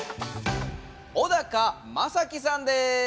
小高正樹さんです。